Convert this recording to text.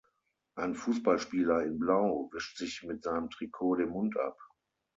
Ein Fußballspieler in Blau wischt sich mit seinem Trikot den Mund ab.